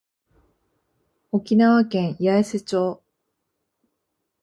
沖縄県八重瀬町